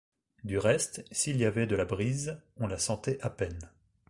Du reste, s’il y avait de la brise, on la sentait à peine.